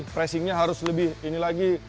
pressingnya harus lebih ini lagi